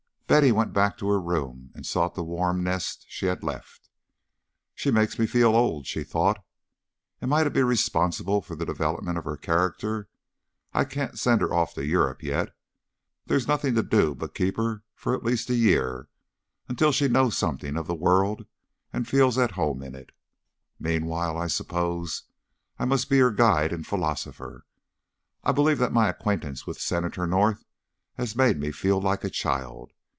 Betty went back to her room and sought the warm nest she had left. "She makes me feel old," she thought. "Am I to be responsible for the development of her character? I can't send her off to Europe yet. There's nothing to do but keep her for at least a year, until she knows something of the world and feels at home in it. Meanwhile I suppose I must be her guide and philosopher! I believe that my acquaintance with Senator North has made me feel like a child.